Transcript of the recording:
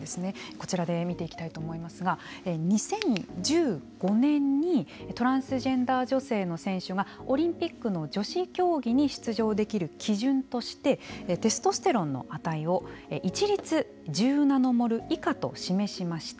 こちらで見ていきたいと思いますが２０１５年にトランスジェンダー女性の選手がオリンピックの女子競技に出場できる基準としてテストステロンの値を一律１０ナノモル以下と示しました。